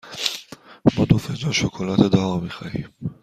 ما دو فنجان شکلات داغ می خواهیم.